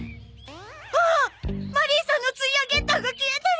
あっマリーさんのツイアゲッターが消えてる！